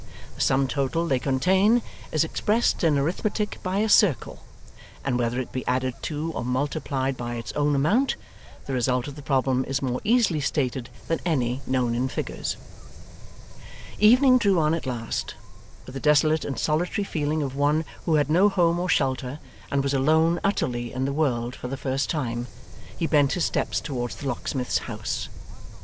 The sum total they contain is expressed in arithmetic by a circle, and whether it be added to or multiplied by its own amount, the result of the problem is more easily stated than any known in figures. Evening drew on at last. With the desolate and solitary feeling of one who had no home or shelter, and was alone utterly in the world for the first time, he bent his steps towards the locksmith's house.